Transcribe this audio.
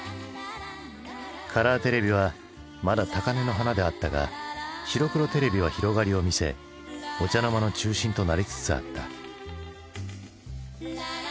カラーテレビはまだ高根の花であったが白黒テレビは広がりを見せお茶の間の中心となりつつあった。